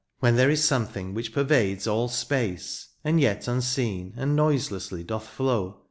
When there is something which pervades all space. And yet unseen, and noiselessly doth flow.